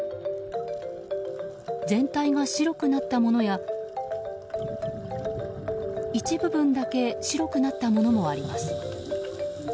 全体が白くなったものや一部分だけ白くなったものもあります。